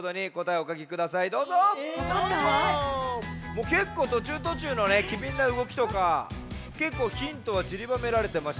もうけっこうとちゅうとちゅうのきびんなうごきとかけっこうヒントはちりばめられてましたから。